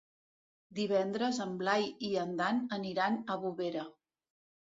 Divendres en Blai i en Dan aniran a Bovera.